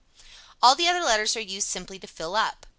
All the other letters are used simply to fill up.